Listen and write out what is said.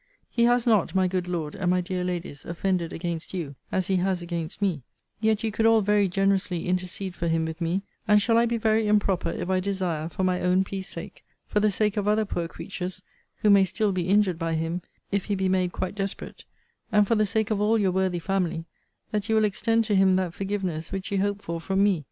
He has not, my good Lord, and my dear Ladies, offended against you, as he has against me; yet you could all very generously intercede for him with me: and shall I be very improper, if I desire, for my own peace sake; for the sake of other poor creatures, who may still be injured by him, if he be made quite desperate; and for the sake of all your worthy family; that you will extend to him that forgiveness which you hope for from me?